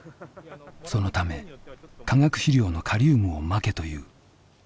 そのため化学肥料のカリウムをまけという。